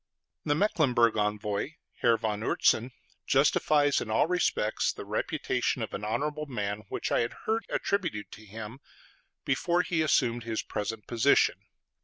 The Mecklenburg envoy, Herr von Oertzen, justifies in all respects the reputation of an honorable man which I had heard attributed to him before he assumed his present position.